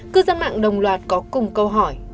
cư dân mạng đồng loạt có cùng câu hỏi